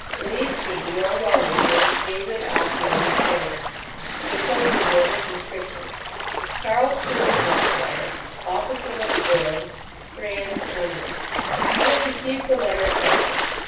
Believe me, Your well wisher, David Ossian Macrae. The enclosure bore this inscription: CHARLES FERMIN, ESQ., Offices of the Orb, Strand, London. I had received the letter at breakfast.